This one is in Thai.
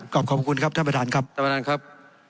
ขอบขอบคุณครับท่านประอาทรานครับถ้ามานานครับ